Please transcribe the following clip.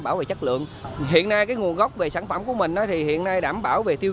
bảo vệ chất lượng hiện nay cái nguồn gốc về sản phẩm của mình thì hiện nay đảm bảo về tiêu